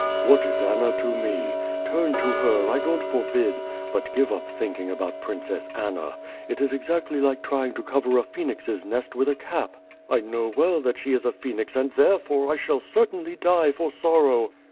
"What is Anna to me! Turn to her, I don't forbid, but give up thinking about Princess Anna. It is exactly like trying to cover a phoenix's nest with a cap." "I know well that she is a phoenix and therefore, I shall certainly die for sorrow."